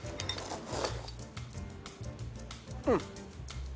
うん！